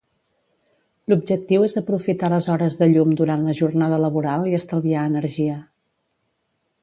L'objectiu és aprofitar les hores de llum durant la jornada laboral i estalviar energia.